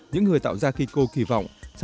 những người tạo ra kiko kỳ vọng